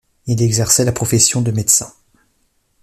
Il exerçait la profession de médecin.